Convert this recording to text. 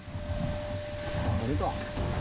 あ、これか。